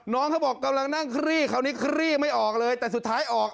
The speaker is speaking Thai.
น้องเขาบอกกำลังนั่งคลี่คราวนี้คลี่ไม่ออกเลยแต่สุดท้ายออก